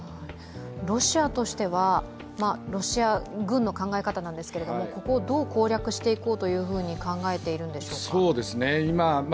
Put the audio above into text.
ロシアとしては、ロシア軍の考え方なんですけれども、ここをどう攻略していこうと考えているんでしょうか？